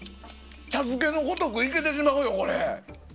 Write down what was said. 茶漬けのごとくいけてしまうよ。